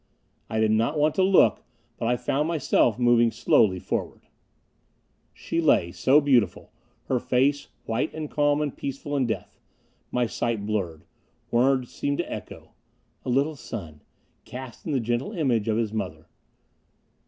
I did not want to look, but I found myself moving slowly forward. She lay, so beautiful. Her face, white and calm and peaceful in death. My sight blurred. Words seemed to echo: "A little son, cast in the gentle image of his mother...."